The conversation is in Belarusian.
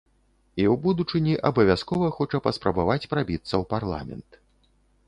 І ў будучыні абавязкова хоча паспрабаваць прабіцца ў парламент.